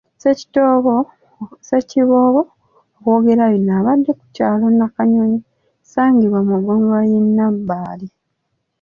Ssekiboobo okwogera bino abadde ku kyalo Nakanyonyi ekisangibwa mu ggombolola y'e Nabbaale.